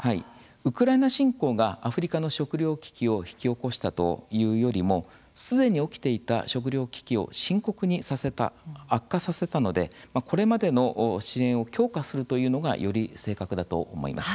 ウクライナ侵攻がアフリカの食料危機を引き起こしたというよりもすでに起きていた食料危機を深刻にさせた、悪化させたのでこれまでの支援を強化するというのがより正確だと思います。